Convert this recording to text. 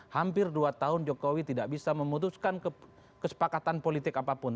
hampir dua tahun jokowi tidak bisa memutuskan kesepakatan politik apapun